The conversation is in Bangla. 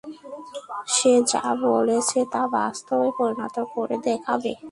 সে যা বলেছে তা বাস্তবে পরিণত করে দেখাবে।